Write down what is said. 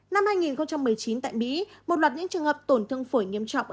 năm hai nghìn một mươi chín tại mỹ một loạt những trường hợp tổn thương phổi nghiêm trọng